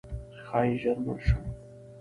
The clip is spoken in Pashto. ښایي ژر مړ شم؛